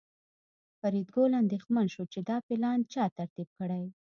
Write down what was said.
فریدګل اندېښمن شو چې دا پلان چا ترتیب کړی